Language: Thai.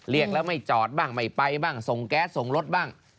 เรียกแล้วไม่จอดบ้างไม่ไปบ้างส่งแก๊สส่งรถบ้าง